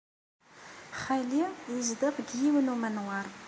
Xali yezdeɣ deg yiwen n umanwaṛ.